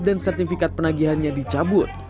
dan sertifikat penagihannya dicabut